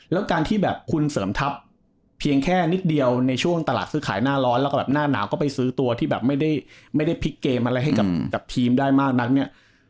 แล้วการที่แบบคุณเสริมทัพเพียงแค่นิดเดียวในช่วงตลาดซื้อขายหน้าร้อนแล้วก็แบบหน้าหนาวก็ไปซื้อตัวที่แบบไม่ได้พลิกเกมอะไรให้กับทีมได้มากนักเนี่ย